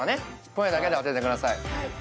声だけで当ててください